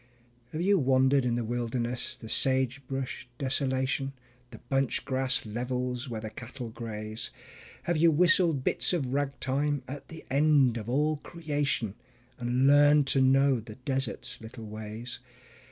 Have you wandered in the wilderness, the sagebrush desolation, The bunch grass levels where the cattle graze? Have you whistled bits of rag time at the end of all creation, And learned to know the desert's little ways?